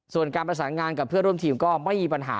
ส่วนการประสานงานกับเพื่อนร่วมทีมก็ไม่มีปัญหา